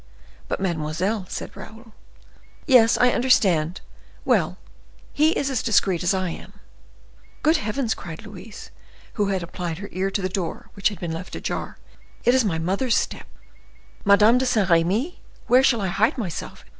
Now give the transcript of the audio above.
"But, mademoiselle—" said Raoul. "Yes, I understand. Well, he is discreet as I am." "Good heavens!" cried Louise, who had applied her ear to the door, which had been left ajar; "it is my mother's step!" "Madame de Saint Remy! Where shall I hide myself?"